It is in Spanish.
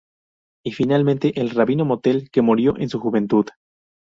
Y finalmente, el rabino Motel que murió en su juventud.